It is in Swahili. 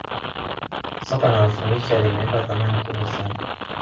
Soka analofundisha limempa thamani kubwa sana